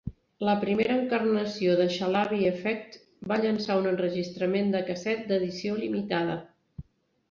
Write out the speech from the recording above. La primera encarnació de Shalabi Effect va llançar un enregistrament de casset d'edició limitada.